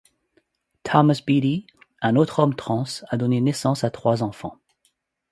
Thomas Beatie, un autre homme trans, a donné naissance à trois enfants.